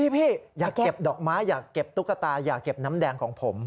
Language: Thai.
พี่อยากเก็บดอกไม้อยากเก็บตุ๊กตาอย่าเก็บน้ำแดงของผม